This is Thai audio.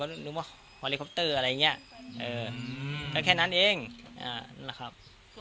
คือมันเป็นการพูดคุยกับ